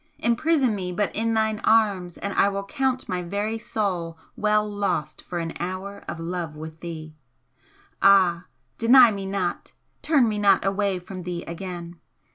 Imprison me but in thine arms and I will count my very soul well lost for an hour of love with thee! Ah, deny me not! turn me not away from thee again!